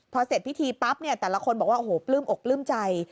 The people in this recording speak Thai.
พอเสร็จพิธีปั๊บแต่ละคนบอกว่าโอปเปิ้ลื้มอกเปลื้มใจ